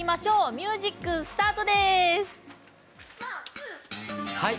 ミュージック、スタート！